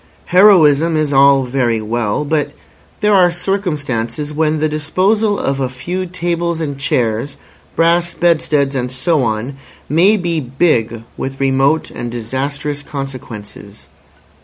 Heroism is all very well, but there are circumstances when the disposal of a few tables and chairs, brass bedsteads, and so on, may be big with remote and disastrous consequences.